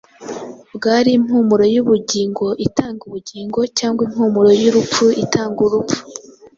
Bwari impumuro y’ubugingo itanga ubugingo cyangwa impumuro y’urupfu itanga urupfu.